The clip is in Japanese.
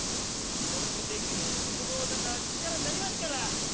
俺もできることを何か力になりますから。